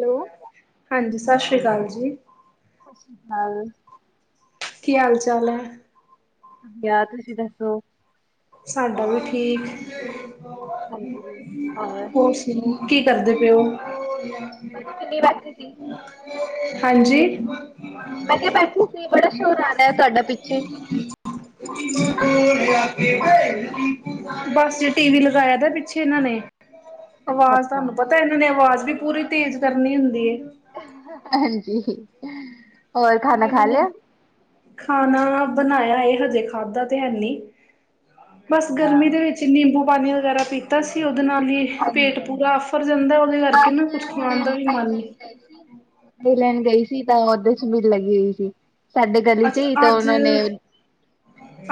Hello. ਹਾਂਜੀ, ਸਤਿ ਸ਼੍ਰੀ ਅਕਾਲ ਜੀ। ਸਤਿ ਸ਼੍ਰੀ ਅਕਾਲ। ਕੀ ਹਾਲ - ਚਾਲ ਹੈ। ਹਆ ਤੁਸੀਂ ਦੱਸੋ? ਸਾਡਾ ਵੀ ਠੀਕ। ਹੋਰ ਸੁਣਾ? ਕੀ ਕਰਦੇ ਪਏ ਉਹ? ਵਿਹਲੀ ਬੈਠੀ ਸੀ। ਹਾਂਜੀ। ਮੈਂ ਕਿਹਾ ਬੈਠੀ ਸੀ, ਬੜਾ ਸ਼ੋਰ ਆਾਨ ਤੁਹਾਡਾ ਪਿੱਛੇ। ਬਸ, ਟੀ ਵੀ ਲਗਾਇਆ ਦਾ ਪਿੱਛੇ ਇਹਨਾਂ ਨੇ। ਅੱਛਾ ਆਵਾਜ਼ ਅੱਛਾ ਤੁਹਾਨੂੰ ਪਤਾ, ਇਹਨਾਂ ਨੇ ਆਵਾਜ਼ ਵੀ ਪੂਰੀ ਤੇਜ਼' ਕਰਨੀ ਹੁੰਦੀ। ਹਾਂਜੀ। ਹੋਰ ਹਾਂ ਖਾਣਾ ਖਾ ਇਹਨਾਂ ਨੇ ਲਿਆ ਖਾਣਾ ਬਣਾਇਆਂ, ਇਹ ਹਜੇ ਖਾਧਾ ਤੇ ਹੈ ਨੀ। ਬਸ, ਹਾਂ, ਗਰਮੀ ਦੇ ਵਿੱਚ 'ਨਿੰਬੂ ਪਾਣੀ' ਵਗੈਰਾ ਪੀਤਾ। ਤਾਂ ਅਸੀਂ ਉਹਦੇ ਨਾਲ ਹੀ ਪੇਟ ਹਾਂਜੀ ਪੂਰਾ ਹਾਂਜੀ ਆਫਰ ਜਾਂਦਾ। ਉਹਦੇ ਕਰਕੇ ਅੱਜ ਨਾ ਕੁਛ ਮੈਂ ਹੁਣੇ ਖਾਣ ਦਾ ਵੀ ਦਹੀਂ ਲੈਣ ਮਨ ਨਹੀਂ। ਗਈ ਸੀ ਲੈਣ ਗਈ ਸੀ। ਤਾਂ ਉਓਦੇਰ ਚ ਵੀੜ ਲੱਗੀ ਹੋਈ ਸੀ। ਸਾਡੇ ਗਲੀ ਵਿੱਚ ਹੀ ਅੱਛਾ ਤਾਂ ਅੱਜ ਉਹਨਾਂ ਨੇ।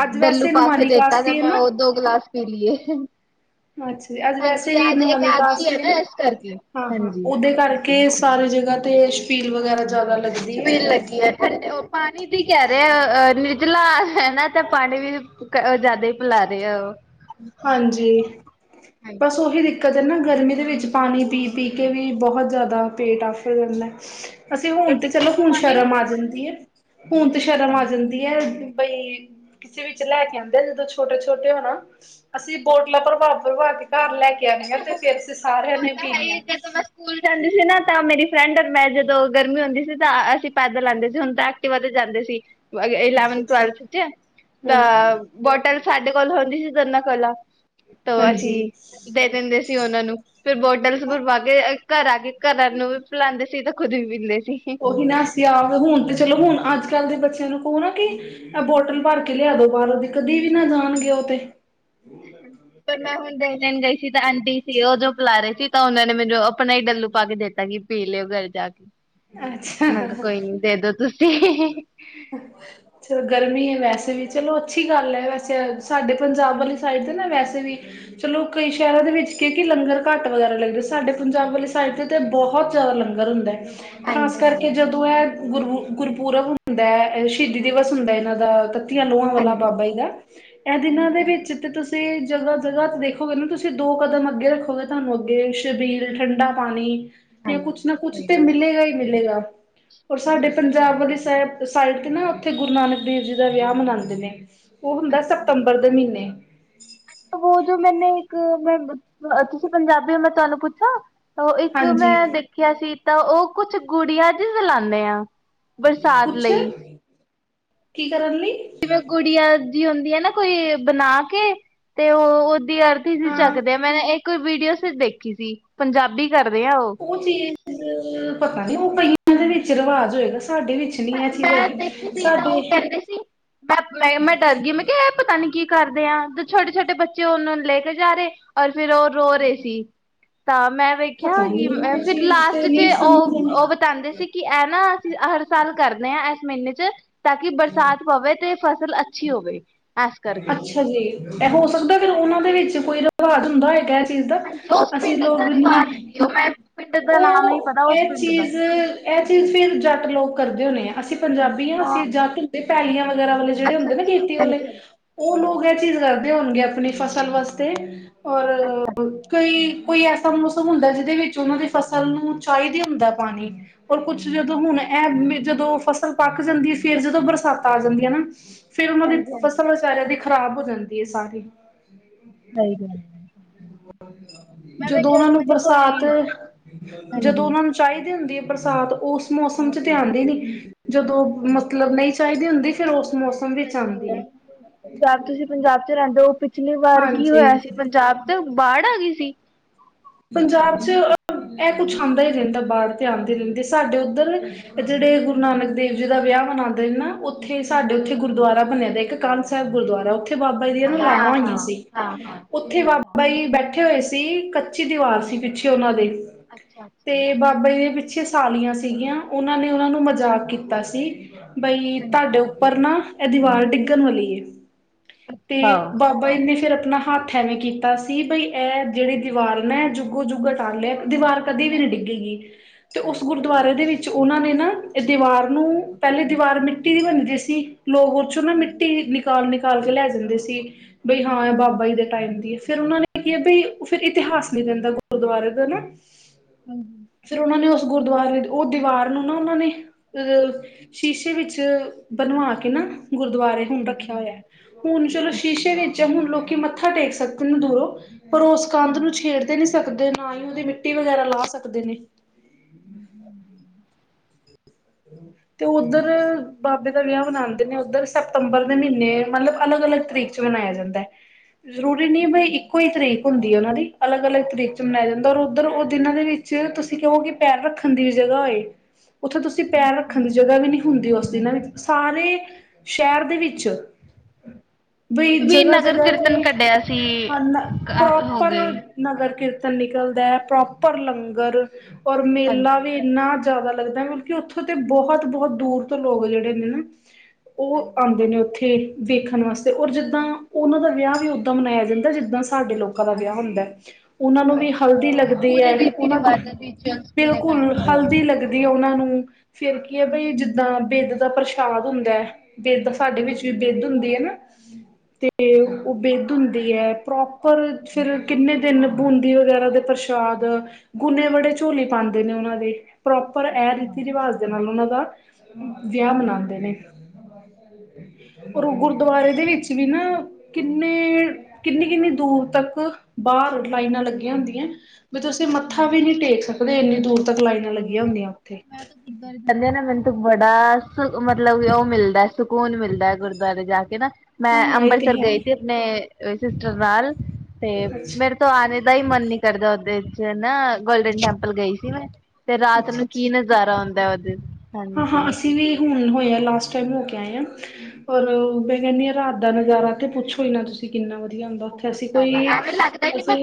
ਅੱਜ ਡੱਲੂ ਵੈਸੇ ਪਾ ਕੇ ਨੁਮਾਨੀ ਦੇਤਾ ਤੇ, ਕਾਸ਼ਤੀ ਹੈ ਮੈਂ ਨਾ ਉਹ ਦੋ ਗਲਾਸ ਪੀ ਲਈਏ। ਅੱਛਾ ਜ ਅੱਜ ਵੈਸੇ ਵੀ ਨਾਨ ਕਾਸ ਨੇ ਹਾਂ, ਹਾਂ ਹਾਂਜੀ ਓਦੇ ਘਰ। ਕੇ ਸਾਰੇ ਜਗ੍ਹਾ ਤੇ ਸ਼ਫੀਲ ਵਗੈਰਾ ਜ਼ਿਆਦਾ, ਛਬੀਲ' ਲੱਗੀ ਹੈ ਠੰਡੇ ਪਾਣੀ ਦੀ ਕਹਿ ਰਹੇ ਅ, ਨਿਰਜਲਾ ਹੈ ਨਾ ਤੇ ਪਾਣੀ ਵੀ। ਉਹ ਜ਼ਿਆਦਾ ਹੀ ਭੁਲਾ ਰਹੇ ਆ ਉਹ। ਹਾਂਜੀ। ਬਸ ਉਹੀ ਦਿੱਕਤ ਹੈ ਨਾ ਗਰਮੀ ਦੇ ਵਿੱਚ ਪਾਣੀ ਪੀ, ਪੀ ਕੇ ਵੀ ਬਹੁਤ ਜ਼ਿਆਦਾ ਪੇਟ ਆਫਰ ਜਾਂਦਾ। ਅਸੀਂ ਹੁਣ ਤੇ ਚਲੋ ਹੁਣ ਸ਼ਰਮ' ਆ ਜਾਂਦੀ ਹੈ। ਹੁਣ ਤੇ ਸ਼ਰਮ' ਆ ਜਾਂਦੀ ਹੈ ਬਈ। ਕਿਸੇ ਵਿੱਚ ਲੈ ਕੇ ਆਉਂਦੇ ਆ ਜਦੋਂ ਛੋਟੇ ਛੋਟੇ ਹੋ ਨਾ ਅਸੀਂ 'ਬੋਟਲਾਂ' ਪ੍ਰਭਾਵ, ਪ੍ਰਭਾਵ ਕੇ ਘਰ ਲੈ ਕੇ। ਆਇਆਂ ਤੇ ਫੇਰ ਅਸੀਂ ਸਾਰਿਆਂ ਉਹ ਨੇ ਪੀਣੀਆਂ। [inaudible] ਸਕੂਲ ਜਾਂਦੀ ਸੀ ਨਾ, ਤਾਂ ਮੇਰੀ 'ਫਰੈਂਡ' ਔਰ ਮੈਂ ਜਦੋਂ ਗਰਮੀ ਹੁੰਦੀ ਸੀ, ਤਾਂ ਅਸੀਂ ਪੈਦਲ ਆਉਂਦੇ ਸੀ ਹੁਣ ਤੱਕ। ਵਧ ਜਾਂਦੇ ਸੀ, ਇਲੈਵ ਅੱਛਾ-ਅੱਛਾ ਟਵਲਥ ਚ ਹਾਂ ਤਾਂ ਬੋਟਲ। ਸਾਡੇ ਕੋਲ ਹੁੰਦੀ ਸੀ ਦੋਨਾ ਕੋਲੋ, ਅਸੀਂ ਹਾਂਜੀ ਦੇ ਦਿੰਦੇ ਸੀ ਉਹਨਾਂ ਨੂੰ। ਫੇਰ ਬੋਟਲਸ ਭਰਵਾ ਕੇ ਘਰ ਆ ਕੇ ਘਰਾਂ ਨੂੰ ਵੀ ਪਿਲਾਉਂਦੇ ਸੀ, ਤੇ ਖੁਦ ਵੀ ਪੀਂਦੇ ਸੀ। ਉਹੀ ਨਾਸੀ ਆ ਹੁਣ ਤੇ ਚਲੋ ਹੁਣ ਅੱਜ - ਕੱਲ ਦੇ ਬੱਚਿਆਂ ਨੂੰ ਕਹੋ ਨਾ। ਕਿ ਆ ਬੋਟਲ ਭਰ ਕੇ ਲਿਆ ਦੋ, ਬਾਹਰੋਂਦੀ ਕਦੇਦੀ ਵੀ ਨਾ ਜਾਣਗੇ ਉਹ ਤੇ। ਹ ਪਰ ਮੈਂ ਹੁਣ ਦੇਨ ਲਣ ਗਈ ਸੀ, ਤੇ ਆਂਟੀ ਸੀ ਉਹ ਜੋ ਬਿਲਾ ਰਹੇ ਸੀ, ਤਾਂ ਉਹਨਾਂ ਨੇ ਮੈਨੂੰ ਆਪਣਾ ਹੀ ਡੱਲੂ ਪਾ ਕੇ ਦੇਤਾ ਸੀ। ਪੀ ਲਿਓ ਘਰ ਜਾ ਕੇ, ਮੈਂ ਕਿਹਾ ਅੱਛਾ ਕੋਈ ਨੀ ਦੇਦੋ ਤੁਸੀਂ। ਅੱਛਾ ਚਲੋਂ ਗਰਮੀ ਹੈ ਵੈਸੇ ਵੀ, ਚਲੋ ਅੱਛੀ ਗੱਲ ਹੈ। ਵੈਸੇ ਸਾਡੇ ਪੰਜਾਬ ਵਾਲੀ ਸਾਈਡ ਦੇ ਨਾ ਵੈਸੇ ਵੀ। ਚਲੋ ਕਈ ਸ਼ਹਿਰਾਂ ਦੇ ਵਿੱਚ ਕੇ ਕੀ ਲੰਗਰ ਘਟ ਵਗੈਰਾ ਲੱਗਦੇ, ਸਾਡੇ ਪੰਜਾਬ ਵਾਲੀ ਸਾਈਡ ਤੇ। ਤੇ ਬਹੁਤ ਜ਼ਿਆਦਾ ਲੰਗਰ ਹੁੰਦਾ। ਖਾਸ ਕਰਕੇ ਜਦੋਂ ਇਹ ਗੁਰ ਗੁਰਪੁਰਬ ਹੁੰਦਾ ਹੈ। ਸ਼ਹੀਦੀ ਦਿਵਸ ਹੁੰਦਾ ਇਹਨਾਂ ਦਾ ਲੋਹਾਂ ਵਾਲਾ ਬਾਬਾ ਜੀ ਦਾ, ਇਹ ਦਿਨਾਂ ਦੇ ਵਿੱਚ ਤੇ ਤੁਸੀਂ। ਤੇ ਜਗ੍ਹਾ- ਜਗ੍ਹਾ ਤੇ ਦੇਖੋਗੇ ਨਾ ਤੁਸੀਂ ਦੋ ਕਦਮ ਅੱਗੇ ਰੱਖੋਗੇ, ਤੁਹਾਨੂੰ ਅੱਗੇ, ਸ਼ਬੀਲ, ਠੰਡਾ ਪਾਣੀ। ਜਾਂ ਕੁਛ ਨਾ ਕੁਛ ਤਾਂ ਮਿਲੇਗਾ ਹੀ ਮਿਲੇਗਾ। ਔਰ ਸਾਡੇ ਪੰਜਾਬ ਵਾਲੀ ਸਾਈਡ, ਸਾਈਡ ਤੇ ਨਾ ਉੱਥੇ, ਗੁਰੂ ਨਾਨਕ ਦੇਵ ਜੀ ਦਾ ਵਿਆਹ ਮਨਾਉਂਦੇ ਨੇ। ਉਹ ਹੁੰਦਾ ਸਤੰਬਰ ਦੇ ਮਹੀਨੇ। ਉਹ ਜੋ, ਮੈਨੇ ਇੱਕ ਤੁਸੀਂ ਪੰਜਾਬੀ ਹੋ, ਮੈਂ ਤੁਹਾਨੂੰ ਪੁੱਛਾਂ। ਉਹ ਇੱਕ ਹਾਂਜੀ ਮੈਂ ਦੇਖਿਆ ਸੀ, ਤਾਂ ਉਹ ਕੁਛ ਗੁੜੀਆਂ ਜੀ ਹਿਲਾਂਉਦੇ ਆ। ਬਰਸਾਤ ਕੁਛ ਲਈ। ਕੀ ਕਰਨ ਲਈ। ਜਿਵੇਂ ਗੁੜੀਆਂ ਦੀ ਹੁੰਦੀਆਂ ਨਾ ਕੋਈ ਬਣਾ ਕੇ, ਤੇ ਉਹ। ਦੀ ਅਰਥੀ ਸੀ ਚੱਕਦੇ ਹਾਂ, ਮੈਂ ਇੱਕ ਵੀਡੀਓ ਦੇਖੀ ਸੀ, ਪੰਜਾਬੀ ਕਰਦੇ ਆ ਉਹ। ਉਹ ਚੀਜ਼, ਪਤਾ ਨੀ ਉਹ ਕਈਆਂ ਦੇ ਵਿੱਚ ਰਿਵਾਜ ਹੋਏਗਾ। ਸਾਡੇ ਵਿੱਚ, ਨੀ ਇਹ ਚੀਜ਼ ਮੈਂ ਹੈਗੀ ਦੇਖੀ ਸੀ। ਤਾਂ ਸਾਡੇ ਉਹ ਕਹਿੰਦੇ ਸੀ। ਮੈਂ -ਮੈਂ, ਮੈਂ ਡਰ ਗਈ, ਮੈਂ ਕਿਹਾ ਇਹ ਪਤਾ ਨੀ ਕੀ ਕਰਦੇ ਆ, ਛੋਟੇ -ਛੋਟੇ ਬੱਚੇ ਉਹਨੂੰ ਲੈ ਕੇ ਜਾ ਰਹੇ। ਔਰ ਫਿਰ ਉਹ ਰੋ ਰਹੇ ਸੀ, ਤਾਂ ਮੈਂ। ਦੇਖਿਆ ਪਤਾ ਨੀ ਕਿ, ਇਹ ਫਿਰ ਚੀਜ਼ ਤੇ ਲਾਸਟ 'ਚ ਨਹੀਂ ਉਹ, ਸਮਝਦੇ ਉਹ ਬਿਤਾਉਂਦੇ ਸੀ। ਕਿ ਐ ਨਾ, ਅਸੀਂ ਹਰ ਸਾਲ ਕਰਦੇ ਹਾਂ ਇਸ ਮਹੀਨੇ 'ਚ ਤਾਂ ਕਿ ਬਰਸਾਤ ਪਵੇ ਤੇ ਫਸਲ ਅੱਛੀ ਹੋਵੇ, ਇਸ ਕਰਕੇ ਅੱਛਾ ਜੀ, ਇਹ ਹੋ ਸਕਦਾ ਫਿਰ ਉਹਨਾਂ ਦੇ ਵਿੱਚ ਕੋਈ ਰਿਵਾਜ ਹੁੰਦਾ ਹੈਗਾ ਚੀਜ਼ ਦਾ, ਹਾਂਜੀ ਉਸ ਅਸੀਂ ਪਿੰਡ ਲੋਕ ਦਾ ਰਿਵਾਜ਼ ਨੀ, ਸੀ ਉਹ ਮੈਂ ਪਿੰਡ ਦਾ ਨਾਮ ਨੀ ਪਤਾ ਉਹ ਉਸ ਇਹ ਪਿੰਡ ਦਾ ਚੀਜ਼ ਇਹ ਚੀਜ਼ ਫਿਰ ਜੱਟ ਲੋਕ ਕਰਦੇ ਹੁੰਦੇ ਆਂ, ਅਸੀਂ ਪੰਜਾਬੀ ਹਾਂ, ਅਸੀਂ ਜੱਟ ਹੁੰਦੇ ਪੈਲੀਆਂ ਵਗੈਰਾ ਵਾਲੇ ਜਿਹੜੇ ਹਹੁੰਦੇ ਨਾ ਖੇਤੀ ਵਾਲੇ, ਉਹ ਲੋਕ ਇਹ ਚੀਜ਼ ਕਰਦੇ ਹੋਣਗੇ, ਆਪਣੀ ਫਸਲ ਵਾਸਤੇ ਔਰ, ਕੋਈ, ਕੋਈ ਐਸਾ ਮੌਸਮ ਹੁੰਦਾ ਜਿਹਦੇ ਵਿੱਚ ਉਹਨਾਂ ਦੀ ਫਸਲ ਨੂੰ ਚਾਹੀਦਾ ਹੁੰਦਾ ਪਾਣੀ। ਔਰ ਕੁਛ ਜਦੋਂ ਹੁਣ ਇਹ ਜਦੋਂ ਫਸਲ ਪੱਕ ਜਾਂਦੀ। ਫੇਰ ਜਦੋਂ ਬਰਸਾਤਾਂ ਆ ਜਾਂਦੀਆਂ ਨਾ। ਫਿਰ ਉਹਨਾਂ ਦੀ, ਫਸਲ ਵਿਚਾਰਿਆਂ ਦੀ ਖ਼ਰਾਬ ਹੋ ਜਾਂਦੀ ਹੈ। ਸਾਰੀ ਸਹੀ ਗੱਲ ਜਦੋਂ ਉਹਨਾਂ ਨੂੰ ਬਰਸਾਤ, ਜਦੋਂ ਉਹਨਾਂ ਨੂੰ ਚਾਹੀਦੀ ਹੁੰਦੀ ਹੈ ਬਰਸਾਤ, ਉਸ ਮੌਸਮ 'ਚ ਤੇ ਆਉਂਦੀ ਨਹੀਂ, ਜਦੋਂ ਮਤਲਬ ਨਹੀਂ ਚਾਹੀਦੀ ਹੁੰਦੀ, ਫੇਰ ਉਸ ਮੌਸ ਸਹੀ ਗੱਲ ਹੈ। ਪੰਜਾਬ ਤੁਸੀਂ ਪੰਜਾਬ 'ਚ ਰਹਿੰਦੇ ਉਹ, ਪਿਛਲੀ ਵਾਰ ਕੀ ਹਾਂਜੀ ਹੋਇਆ ਸੀ। ਪੰਜਾਬ 'ਚ ਬਾੜ ਆ ਗਈ ਸੀ। ਪੰਜਾਬ 'ਚ ਇਹ ਕੁਛ ਆਉਂਦਾ ਹੀ ਰਹਿੰਦਾ, ਬਾੜ ਤੇ ਆਉਂਦੇ ਰਹਿੰਦੇ ਸਾਡੇ ਉੱਧਰ। ਜਿਹੜੇ ਗੁਰੂ ਨਾਨਕ ਦੇਵ ਜੀ ਦਾ ਵਿਆਹ ਮਨਾਉਂਦੇ ਨੇ ਨਾ, ਉਹ ਉੱਥੇ ਸਾਡੇ ਉੱਥੇ ਗੁਰਦੁਆਰਾ ਬਣਿਆ, ਦਾ ਇੱਕ ਕਾਨ ਸਾਹਿਬ ਗੁਰਦੁਆਰਾ। ਉੱਥੇ ਬਾਬਾ ਜੀ ਦੀਆਂ ਨਾ ਲਾਵਾਂ ਹੋਈਆਂ ਸੀ। ਹਾਂ ਹਾਂ ਉੱਥੇ ਅੱਛਾ ਬਾਬਾ ਜੀ ਬੈਠੇਂ ਹੋਏ ਸੀ, ਕੱਚੀ ਦੀਵਾਰ ਸੀ, ਪਿੱਛੇ ਉਹਨਾਂ ਦੇ। ਅੱਛਾ ਅੱਛਾ ਤੇ ਬਾਬਾ ਜੀ ਦੇ ਪਿੱਛੇ ਸਾਲੀਆਂ ਸੀਗੀਆਂ, ਉਹਨਾਂ ਨੇ ਉਹਨਾਂ ਨੂੰ ਮਜ਼ਾਕ ਕੀਤਾ ਸੀ, ਬਈ ਤੁਹਾਡੇ ਉੱ ਉੱਪਰ ਨਾ, ਇਹ ਦੀਵਾਰ ਡਿੱਗਣ ਵਾਲੀ ਏ, ਤੇ ਬਾਬਾ ਬਾਈਨ ਨੇ ਫਿਰ ਆਪਣਾ ਹੱਥ ਐਵੇਂ ਕੀਤਾ ਸੀ, ਬਈ ਇਹ ਜਿਹੜੇ ਦੀਵਾਰ ਨੇ ਜੁੱਗੋ ਜੁੱਗਾ ਕਰ ਲਿਆ, ਦੀਵਾਰ ਕਦੇ ਵੀ ਨੀ ਡਿੱਗੇਗੀ, ਤੇ ਉਸ ਗੁਰਦੁਆਰੇ ਦੇ ਵਿੱਚ ਵਿੱਚ ਉਹਨਾਂ ਨੇ ਨਾ, ਇਹ ਦੀਵਾਰ ਨੂੰ, ਪਹਿਲੇ ਦੀਵਾਰ ਮਿੱਟੀ ਦੀ ਬੰਣਦੀ ਸੀ ਲੋਕ-' ਵਿਚੋਂ ਨਾ, ਮਿੱਟੀ ਨਿਕਾਲ -ਨਿਕਾਲ ਕੇ ਲੈ ਜਾਂਦੇ ਸੀ, ਬਈ ਹਾਂ ਇਹ ਬਾਬਾ ਜੀ ਦੇ ਟਾਈਮ ਦੀ, ਫਿਰ ਉਹਨਾਂ ਨੇ ਕੀ ਬਈ, ਫਿਰ ਇਤਿਹਾਸ ਲਿਖ ਦਿੰਦਾ ਗੁਰਦੁਆਰੇ ਦਾ ਨਾ ਹਾਂਜੀ ਫਿਰ ਉਹਨਾਂ ਨੇ ਉਸ ਗੁਰਦੁਆਰੇ ਉਹ ਦੀਵਾਰ ਨੂੰ ਨਾ ਉਹਨਾਂ ਨੇ ਅਹ ਸ਼ੀਸ਼ੇ ਵਿੱਚ ਬਣਵਾ ਕੇ ਨਾ ਗੁਰਦੁਆਰੇ ਰੱਖਿਆ ਹੋਇਆ ਹੁਣ ਚਲੋ ਸ਼ੀਸ਼ੇ ਵਿੱਚ ਹੁਣ ਲੋਕੀ ਮੱਥਾ ਟੇਕ ਸਕਦੇ ਨ ਦੂਰੋਂ ਪਰ ਉਸ ਕੰਧ ਨੂੰ ਛੇੜ ਤੇ ਨੀ ਸਕਦੇ ਨਾ ਹੀ ਉਹਦੀ ਮਿੱਟੀ ਵਗੈਰਾ ਲਾ ਸਕਦੇ ਨੇ [inaudible] ਹ [inaudible] ਅਤੇ ਓਦਰ ਬਾਬੇ ਦਾ ਵਿਆਹ ਮਨਾਂਦੇ ਨੇ ਓਦਰ ਸਤੰਬਰ ਦੇ ਮਹੀਨੇ ਮਤਲਬ ਅਲਗ ਅਲੱਗ ਤਰੀਕੇ ਮਨਾਇਆ ਜਾਂਦਾ ਹੈ ਜ਼ਰੂਰੀ ਨਹੀਂ ਵੀ ਇੱਕੋ ਹੀ ਤਰੀਕ ਹੁੰਦੀ ਹੈ ਉਹਨਾਂ ਦੀ ਅਲੱਗ ਅਲੱਗ ਤਰੀਕੇ ਚ ਮਨਾਇਆ ਜਾਂਦਾ ਔਰ ਓਦਰ ਉਹ ਦਿਨਾਂ ਦੇ ਵਿੱਚ ਤੁਸੀਂ ਕਹੋਗੇ। ਪੈਰ ਰੱਖਣ ਦੀ ਵੀ ਜਗ੍ਹਾ ਹੋਏ ਉੱਥੇ ਤੁਸੀਂ ਪੈਰ ਰੱਖਣ ਦੀ ਜਗ੍ਹਾ ਵੀ ਨਹੀਂ ਹੁੰਦੀ ਉਸ ਦਿਨਾਂ ਵਿੱਚ ਸਾਰੇ ਸ਼ਹਿਰ ਦੇ ਵਿੱਚ ਬਈ ਹੁਣ ਵੀ ਜਗ੍ਹਾ ਨਗਰ ਜਗ੍ਹਾ ਤੇ ਕੀਰਤਨ ਕੱਢਿਆ ਸੀ ਹਨ ਹੋ ਪ੍ਰੋਪਰ ਗਏ ਨਗਰ ਕੀਰਤਨ ਨਿਕਲਦਾ ਹੈ ਪ੍ਰੋਪਰ ਲੰਗਰ ਔਰ ਮੇਲਾ ਵੀ ਇੰਨਾ ਜ਼ਿਆਦਾ ਲੱਗਦਾ ਮਤਲਬ ਉੱਥੋਂ ਤੇ ਬਹੁਤ ਬਹੁਤ ਦੂਰ ਤੋਂ ਲੋਕ ਜਿਹੜੇ ਨੇ ਨਾ ਉਹ ਆਉਂਦੇ ਨੇ ਉੱਥੇ ਵੇਖਣ ਵਾਸਤੇ ਔਰ ਜਿੱਦਾਂ ਉਹਨਾਂ ਦਾ ਵਿਆਹ ਵੀ ਉਦਾਂ ਮਨਾਇਆ ਜਾਂਦਾ ਜਿੱਦਾਂ ਸਾਡੇ ਲੋਕਾਂ ਦਾ ਵਿਆਹ ਹੁੰਦਾ ਉਨਾਂ ਨੂੰ ਵੀ ਹਲਦੀ ਲੱਗਦੀ ਹੈ ਉਨਾਂ ਦੀ ਬਿਲਕੁਲ ਹਲਦੀ ਲੱਗਦੀ ਉਨਾਂ ਨੂੰ ਫੇਰ ਕੀ ਹੈ ਬਈ ਜਿੱਦਾਂ ਬਿਦ ਦਾ ਪ੍ਰਸ਼ਾਦ ਹੁੰਦਾ ਹੈ ਬਿਦ ਸਾਡੇ ਵਿੱਚ ਵੀ ਬਿੱਦ ਹੁੰਦੀ ਨਾ ਤੇ ਉਹ ਬਿੱਦ ਹੁੰਦੀ ਹੈ ਪ੍ਰੋਪਰ ਫਿਰ ਕਿੰਨੇ ਦਿਨ ਬੂੰਦੀ ਵਗੈਰਾ ਦੇ ਪ੍ਰ ਸ਼ਾਦ ਗੁਨੇ ਬੜੇ ਝੋਲੀ ਪਾਂਦੇ ਨੇ ਉਹਨਾਂ ਦੇ ਪ੍ਰੋਪਰ ਇਹ ਰੀਤੀ ਰਿਵਾਜ ਨਾਲ ਉਨਾਂ ਦਾ ਵਿਆਹ ਮਨਾਂਦੇ ਨੇ ਔਰ ਉਹ ਗੁਰਦੁਆਰੇ ਦੇ ਵਿੱਚ ਵੀ ਨਾ ਕਿੰਨੇ ਕਿੰਨੀ ਕਿੰਨੀ ਦੂਰ ਤੱਕ ਬਾਹਰ ਲਾਈਨਾਂ ਲੱਗੀਆਂ ਹੁੰਦੀਆਂ। ਵੀ ਤੁਸੀਂ ਮੱਥਾ ਵੀ ਨਹੀਂ ਟੇਕ ਸਕਦੇ ਇੰਨੀ ਦੂਰ ਤੱਕ ਲਾਈਨਾਂ ਲੱਗੀਆਂ ਹੁੰਦੀਆਂ ਉੱਥੇ ਗੁਰਦਆ ਜਾਂਦੇ ਨਾ ਮੈਨੂੰ ਤ ਬੜਾ ਸੁ ਮਤਲਬ ਉਹ ਮਿਲਦਾ ਸਕੂਨ ਮਿਲਦਾ ਗੁਰਦੁਆਰੇ ਜਾ ਕੇ ਨਾ ਮੈਂ ਹਾਂ ਇਹ ਤੇ ਅੰਬਰਸਰ ਹੈ ਗਈ ਹੀ ਸੀ ਆਪਣੇ ਸਿਸਟਰ ਨਾਲ ਤੇ ਅੱਛਾ ਮੇਰੇ ਆਣੇ ਦਾ ਹੀ ਮਨ ਨੀ ਕਰਦਾ ਉਦੇ ਚ ਹਨ ਗੋਲਡਨ ਟੈਂਪਲ ਗਈ ਸੀ ਮੈਂ ਤੇ ਰਾਤ ਨੂੰ ਕੀ ਨਜ਼ਾਰਾ ਹੁੰਦਾ ਉਦੇ ਹਾਂ ਹਾਂ ਅਸੀਂ ਵੀ ਹੁਣ ਹੋਏ ਹ ਲਾਸਟ ਟਾਈਮ ਹੋ ਕੇ ਆਏ ਹ ਰ ਮੈਂ ਕਹਿੰਦੀ ਹਾਂ ਰਾਤ ਦਾ ਨਜ਼ਾਰਾ ਤੇ ਪੁੱਛੋ ਹੀ ਨਾ ਤੁਸੀਂ ਤੁ ਕਿੰਨਾ ਵਧੀਆ ਹੁੰਦਾ ਉੱਥੇ ਅਸੀਂ ਕੋਈ ਅਸੀਂ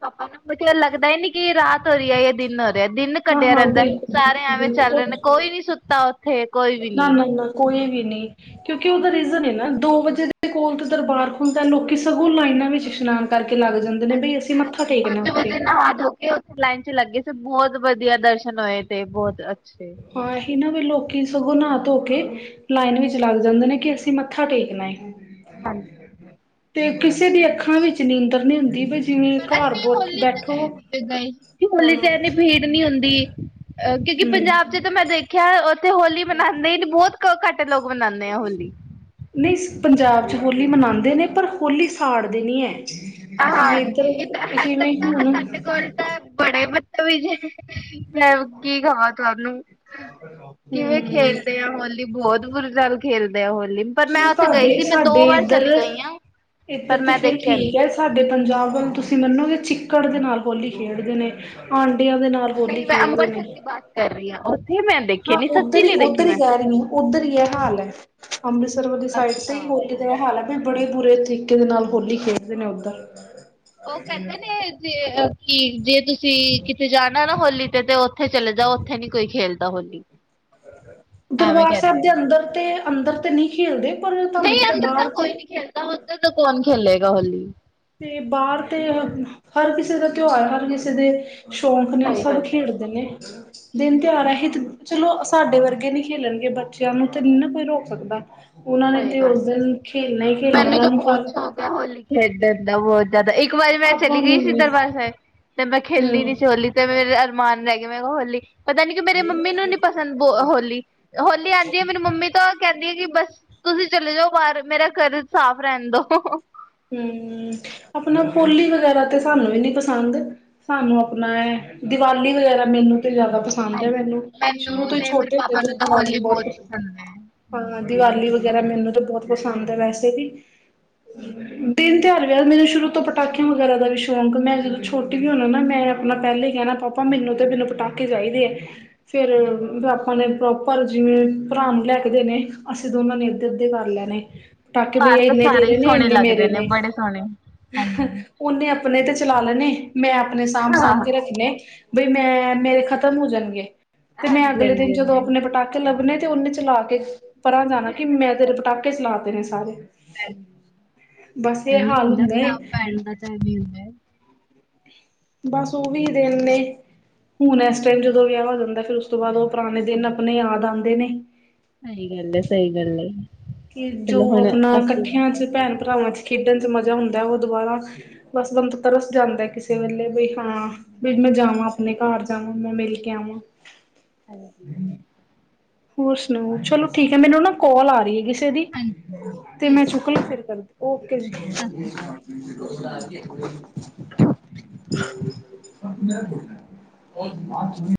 ਪਾਪਾ ਨੂੰ ਮੁ ਲੱਗਦਾ ਹੀ ਨੀ ਕਿ ਰਾਤ ਹੋ ਰਹੀ ਹੈ ਜਾਂ ਦਿਨ ਹੋ ਰਿਹਾ ਦਿਨ ਕੱਢਿਆ ਹਾਂ-ਹਾਂ ਰਹਿੰਦਾ ਸਾਰੇ ਐਵੇਂ ਚੱਲ ਬਿਲਕੁਲ-ਬਿਲਕੁਲ ਰੇ ਨੇ ਕੋਈ ਨੀ ਸੁੱਤਾ ਉੱਥੇ ਕੋਈ ਵੀ ਨੀ। ਨਾ-ਨਾ-ਨਾ ਕੋਈ ਵੀ ਨਹੀਂ। ਕਿਉਂਕਿ ਉਦਾ ਰੀਜ਼ਨ ਨਾ ਦੋ ਵਜੇ ਦੇ ਕੋਲ ਤੇ ਦਰਬਾਰ ਖੁਲਦਾ ਲੋਕੀ ਸਗੋਂ ਲਾਈਨਾਂ ਵਿੱਚ ਇਸ਼ਨਾਨ ਕਰਕੇ ਲੱਗ ਜਾਂਦੇ ਨੇ ਬਈ ਹਾਂਜੀ ਅਸੀਂ ਫੇਰ ਮੱਥਾ ਟੇਕਣਾ ਪੰਜ ਉੱਥੇ ਵਜੇ ਨਹਾ ਧੋ ਕੇ ਉੱਥੇ ਲਾਈਨ ਚ ਲੱਗੇ ਸੀ ਬਹੁਤ ਵਧੀਆ ਦਰਸ਼ਨ ਹੋਏ ਤੇ ਬਹੁਤ ਅੱਛੇ ਆਹੀ ਨਾ ਵੇ ਲੋਕੀ ਸਗੋਂ ਨਾ ਧੋ ਕੇ ਲਾਈਨ ਵਿੱਚ ਲੱਗ ਜਾਂਦੇ ਨੇ ਕਿ ਅਸੀਂ ਮੱਥਾ ਟੇਕਣਾ ਏ ਤੇ ਕਿਸੇ ਦੀ ਅੱਖਾਂ ਵਿੱਚ ਨੀਂਦਰ ਨੀ ਹੁੰਦੀ ਬ ਜਿਵੇਂ ਪਰ ਘਰ ਅਸੀਂ ਹੋਲੀ ਤੇ ਬੈਠੋ ਗਏ ਸੀ ਗਏ ਸੀ ਹਾਂ ਹੋਲੀ ਹਮ ਚ ਇੰਨੀ ਭੀੜ ਨਹੀਂ ਹੁੰਦੀ। ਅ ਕਿਉਂਕਿ ਪੰਜਾਬ ਚ ਤਾਂ ਮੈਂ ਦੇਖਿਆ ਉੱਥੇ ਹੋਲੀ ਮਨਾਂਦੇ ਬਹੁਤ ਘੱਟ ਲੋਕ ਮਨਾਂਦੇ ਆ ਹੋਲੀ ਨਹੀਂ ਪੰਜਾਬ 'ਚ ਹੋਲੀ ਮਨਾਂਦੇ ਨੇ ਪਰ ਹੋਲੀ ਸਾੜਦੇ ਨਹੀਂ ਹੈ। ਜਿਵੇਂ ਹਾਂਜੀ ਇਦਰ ਜਿਵੇਂ ਹੁਣ ਬੜਾ ਹੀ ਮਤਲਬ ਜੇ [unintelligible] ਮੈਂ ਕੀ ਕਵਾਂ ਤੁਹਾਨੂੰ ਕਿਵੇਂ ਖੇਲਦੇ ਆ ਹੋਲੀ ਬੋਤ ਬੁੁਰੀ ਨਾਲ ਖੇਲਦੇ ਆ ਹੋਲੀ ਪਰ ਮੈਂ ਚਲੋ ਉੱਥੇ ਗਈ ਤੁਹਾਡੇ ਸੀ, ਮੈਂ ਸਾਡੇ ਦੋ ਵਾਰ ਇੱਧਰ ਚਲੀ ਗਈ ਆਂ, ਪਰ ਇੱਧਰ ਤੇ ਮੈਂ ਫਿਰ ਦੇਖਿਆ ਨੀ। ਠੀਕ ਹੈ ਸਾਡੇ ਪੰਜਾਬ ਵੱਲ ਤੁਸੀਂ ਮੰਨੋਗੇ ਚਿੱਕੜ ਦੇ ਨਾਲ ਹੋਲੀ ਖੇਡਦੇ ਨੇ, ਆਂਡਿਆਂ ਦੇ ਨਾਲ। ਹੋਲੀ ਨਹੀਂ ਮੈਂ ਖੇਲਦੇ ਅੰਮ੍ਰਿਤਸਰ ਨਈ, ਦੀ ਬਾਤ ਕਰ ਰਹੀ ਹਾਂ ਉੱਥੇ ਮੈਂ ਦੇਖੇ ਹਾਂ ਨੀ ਸੱਚੀ ਉੱਧਰ ਹੀ ਨੀ ਦੇਖੀ ਉੱਧਰ ਹੀ ਮੈਂ ਕਹਿ ਰਹੀ ਆਂ। ਉੱਧਰ ਈ ਐ ਹਾਲ ਐ, ਅੰਮ੍ਰਿਤਸਰ ਵਾਲੀ ਸਾਈਡ ਤੇ ਈ ਹੋਲੀ ਹਾਲ ਐ ਵੀ ਬੜੇ ਬੁਰੇ ਤਰੀਕੇ ਦੇ ਨਾਲ ਹੋਲੀ ਖੇਡਦੇ ਨੇ ਉੱਧਰ। ਉਹ ਕਹਿੰਦੇ ਨੇ ਜੇ ਕੀ ਜੇ ਤੁਸੀਂ ਕਿਤੇ ਜਾਣਾ ਨਾ ਹੋਲੀ ਤੇ-ਤੇ ਉਥੇ ਚਲੇ ਜਾਓ, ਉੱਥੇ ਨੀ ਕੋਈ ਖੇਲਦਾ ਹੋਲੀ। ਦਰਬਾਰ ਸਾਹਿਬ ਦੇ ਅੰਦਰ ਤੇ ਅੰਦਰ ਤੇ ਨਹੀਂ ਖੇਲਦੇ। ਪਰ ਤੁਹਾਨੂੰ ਨਹੀਂ ਪਤਾ ਅੰਦਰ ਤਾਂ ਬਾਹਰ ਕੋਈ ਤੇ ਨਹੀਂ ਖੇਲਦਾ, ਅੰਦਰ ਤਾਂ ਕੌਣ ਖੇਲੇਗਾ ਹੋਲੀ। ਤੇ ਬਾਹਰ ਤੇ, ਹਰ ਕਿਸੇ ਦਾ ਤਿਉਹਾਰ ਹਰ ਕਿਸੇ ਦੇ ਸ਼ੌਕ ਨਈ ਸਭ ਖੇਡਦੇ ਨੇ। ਦਿਨ ਤਿਹਾਰ ਅਸੀ ਚਲੋ ਸਾਡੇ ਵਰਗੇ ਨਹੀਂ ਖੇਲਣਗੇ, ਬੱਚਿਆਂ ਨੂੰ ਤੇ ਨਹੀਂ ਨਾ ਕੋਈ ਰੋਕ ਸਕਦਾ। ਉਹਨਾਂ ਨੇ ਤੇ ਉਸ ਦਿਨ ਖੇਲਣਾ ਹੀ ਖੇਲਣਾ, ਉਹਨਾਂ ਨੂੰ ਫਰਕ ਹੋੋਲੀ ਖੇਡਣ ਦਾ ਬਹੁਤ ਜਦ ਇੱਕ ਵਾਰੀ ਮੈਂ ਆਪਾਂ ਚਲੀ ਗਈ ਨੂੰ ਸੀ ਨੀ ਦਰਬਾਰ ਸਾਹਿਬ, ਤੇ ਮੈਂ ਖੇਲੀ ਨੀ ਹੂੰ। ਸੀ ਹੋਲੀ। ਤੇ ਮੇਰੇ ਅਰਮਾਨ ਰਹਿ ਗੇ, ਮੈਂ ਕਿਹਾ ਹੋਲੀ ਪਤਾ ਨੀ ਕਿ ਮੇਰੇ ਮੰਮੀ ਨੂੰ ਨੀ ਪਸੰਦ ਬ ਹੋਲੀ, ਹੋਲੀ ਆਂਦੀ ਐ ਮੇਰੀ ਮੰਮੀ ਤੋਂ ਕਹਿੰਦੀ ਆ ਕਿ ਬਸ ਤੁਸੀਂ ਚਲੇ ਜਾਓ ਬਾਹਰ, ਮੇਰਾ ਘਰ ਸਾਫ਼ ਰਹਿਣ ਦੋ। ਹੂੰ ਆਪਣਾ ਪੋਲੀ ਵਗੈਰਾ ਤੇ ਸਾਨੂੰ ਵੀ ਨੀ ਪਸੰਦ। ਸਾਨੂੰ ਆਪਣਾ ਐ ਦੀਵਾਲੀ ਵਗੈਰਾ ਮੈਨੂੰ ਤੇ ਜ਼ਿਆਦਾ ਪਸੰ ਪਸੰਦ ਐ ਮੈਨੂੰ, ਸ਼ੁਰੂ ਤੋਂ ਹੀ ਛੋਟੇ ਹੁੰਦੇ ਤੋਂ ਹੀ ਦੀਵਾਲੀ ਬਹੁਤ ਹੈ ਪਸੰਦ ਹਾਂ। ਦੀਵਾਲੀ ਵਗੈਰਾ ਮੈਨੂੰ ਤਾਂ ਬਹੁਤ ਪਸੰਦ ਐ ਵੈਸੇ ਵੀ। ਹਾਂਜੀ ਦਿਨ, ਤਿਹਾਰ, ਵਿਆਹ ਮੈਨੂੰ ਸ਼ੁਰੂ ਤੋਂ ਪਟਾਕਿਆਂ ਵਗੈਰਾ ਦਾ ਵੀ ਸ਼ੌਕ, ਮੈਂ ਜਦੋਂ ਛੋਟੀ ਵੀ ਹੋਣਾ ਨਾ ਮੈਂ ਆਪਣਾ ਪਹਿਲੇ ਹੀ ਕਹਿਣਾ, ਪਾਪਾ ਮੈਨੂੰ ਤੇ ਮੈਨੂੰ ਪਟਾਕੇ ਚਾਹੀਦੇ ਐ, ਫੇਰ ਪਾਪਾ ਨੇ ਪ੍ਰੋਪਰ ਜਿਵੇਂ ਭਰਾ ਨੂੰ ਲੈ ਕੇ ਦੇਨੇ, ਅਸੀਂ ਦੋਨਾਂ ਨੇ ਅੱਧੇ-ਅੱਧੇ ਕਰ ਲੈਣੇ। ਪਟਾਕੇ ਘਰ ਭਈਆ ਤਾਂ ਇੰਨੇ ਸਾਰੇ ਹੀ ਤੇਰੇ ਨੇ, ਸੋਹਣੇ ਇੰਨੇ ਲੱਗਦੇ ਮੇਰੇ ਨੇ। ਬੜੇ ਸੋਹਣੇ ਹਾਂਜੀ ਉਹਨੇ ਆਪਣੇ ਤੇ ਚਲਾ ਲੈਣੇ, ਮੈਂ ਆਪਣੇ ਸਾਂਭ-ਸਾਂਭ ਹਾਂ ਕੇ ਰੱਖਣੇ। ਬਈ ਮੈਂ ਮੇਰੇ ਖ਼ਤਮ ਹੋ ਜਾਣਗੇ, ਤੇ ਮੈਂ ਹਾਂਜੀ ਅਗਲੇ ਦਿਨ ਹਾਂਜੀ ਜਦੋਂ ਹਾਂਜੀ ਆਪਣੇ ਪਟਾਕੇ ਲੱਭਣੇ ਤੇ ਉਹਨੇ ਚਲਾ ਕੇ ਪਰਾਂ ਜਾਣਾ, ਕਿ ਮੈਂ ਤੇਰੇ ਪਟਾਕੇ ਚਲਾਤੇ ਨੇ ਸਾਰੇ। ਬਸ ਕਹਿੰਦੇ ਇਹ ਐਂਵੀ ਹਾਲ ਹੁੰਦਾ, ਭਰਾ ਏ ਭੈਣ ਦਾ ਤਾਂ ਐਂਵੀ ਹੁੰਦਾ। ਬਸ ਉਹ ਵੀ ਦਿਨ ਨੇ। ਹੁਣ ਇਸ ਟੈਮ ਜਦੋਂ ਵਿਆਹ ਹੋ ਜਾਂਦਾ, ਫਿਰ ਉਸ ਤੋਂ ਬਾਅਦ ਉਹ ਪੁਰਾਣੇ ਦਿਨ ਆਪਣੇ ਯਾਦ ਆਂਦੇ ਨੇ। ਸਹੀ ਗੱਲ ਏ, ਸਹੀ ਗੱਲ ਏ। ਕਿ ਜੋ ਆਪਣਾ ਕੱਠਿਆਂ ਚ ਭੈਣ ਭਰਾਵਾਂ ਚ ਖੇਡਣ ਚ ਮਜ਼ਾ ਹੁੰਦਾ, ਉਹ ਦੁਬਾਰਾ ਬਸ ਬੰਦਾ ਤਰਸ ਜਾਂਦਾ ਕਿਸੇ ਵੇਲੇ ਵੀ, ਹਾਂ ਵੀ ਮੈਂ ਜਾਵ ਮੈਂ ਆਪਣੇ ਘਰ ਜਾਵਾਂ, ਮੈਂ ਮਿਲ ਕੇ ਆਵਾਂ। ਹਾਂਜੀ। ਹੋਰ ਸੁਣਾਓ, ਚਲੋ ਠੀਕ ਐ, ਮੈਨੂੰ ਨਾ ਕੋਲ ਆ ਰਹੀ ਹੈਗੀ। ਤੇ ਦੀ ਤੇ ਮੈਂ ਚੁੱਕਲਾਂ, ਫਿਰ ਕਰਦੀ ਓਕੇ ਜੀ। [unintelligible] [inaudible]